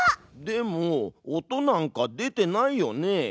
でも音なんか出てないよね。